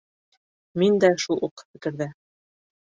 Мин дә шул уҡ фекерҙә